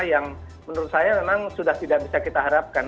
yang menurut saya memang sudah tidak bisa kita harapkan